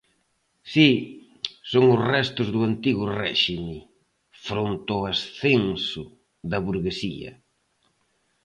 Si, son os restos do Antigo Réxime, fronte ao ascenso da burguesía.